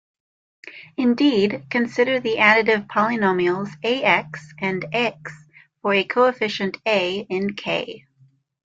Indeed, consider the additive polynomials "ax" and "x" for a coefficient "a" in "k".